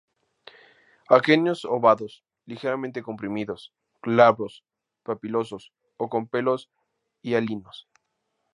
Aquenios obovados, ligeramente comprimidos, glabros, papilosos o con pelos hialinos.